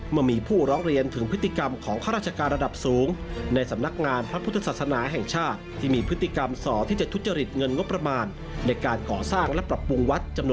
เมื่อมีผู้ร้องเรียนถึงพฤติกรรมของข้าราชการระดับสูง